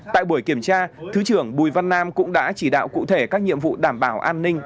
tại buổi kiểm tra thứ trưởng bùi văn nam cũng đã chỉ đạo cụ thể các nhiệm vụ đảm bảo an ninh